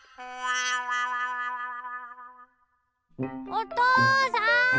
おとうさん！